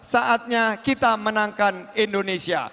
saatnya kita menangkan indonesia